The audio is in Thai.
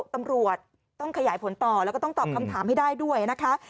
ตำรวจต้องขยายผลต่อแล้วก็ต้องตอบคำถามให้ได้ด้วยนะคะ